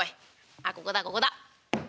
あっここだここだ」。